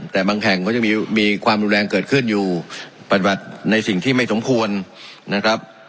แต่บางแห่งก็ยังมีความรุนแรงเกิดขึ้นอยู่ปฏิบัติในสิ่งที่ไม่สมควรนะครับ